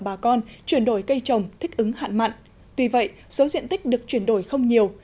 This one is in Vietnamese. bà con chuyển đổi cây trồng thích ứng hạn mặn tuy vậy số diện tích được chuyển đổi không nhiều